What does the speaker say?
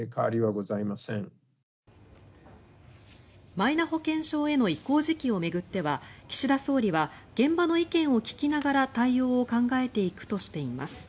マイナ保険証への移行時期を巡っては岸田総理は現場の意見を聞きながら対応を考えていくとしています。